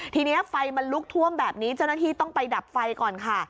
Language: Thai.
ทีนี้ไฟมันลุกท่วมแบบนี้เจ้าหน้าที่ต้องไปดับไฟก่อนค่ะ